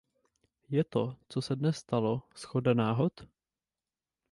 Je to, co se dnes stalo, shoda náhod?